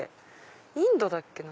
インドだっけな？